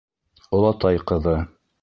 Олатай ҡыҙы